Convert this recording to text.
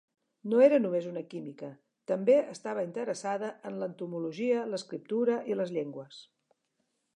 No era només una química; també estava interessada en l'entomologia, l'escriptura i les llengües.